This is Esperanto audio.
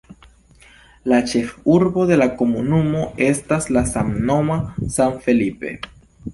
La ĉefurbo de la komunumo estas la samnoma San Felipe.